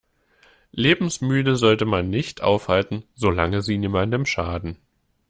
Lebensmüde sollte man nicht aufhalten, solange sie niemandem schaden.